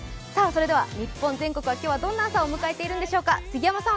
日本全国は今日はどんな朝を迎えているんでしょうか。